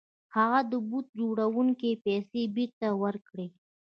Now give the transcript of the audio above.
هغه د بوټ جوړوونکي پيسې بېرته ورکړې.